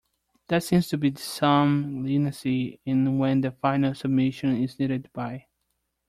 There seems to be some leniency in when the final submission is needed by.